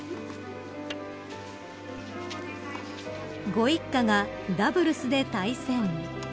［ご一家がダブルスで対戦］